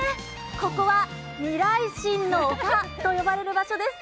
ここは、未来心の丘と呼ばれる場所です。